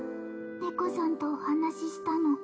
猫さんとお話したの